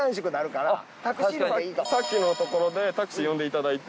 さっきのところでタクシー呼んでいただいて。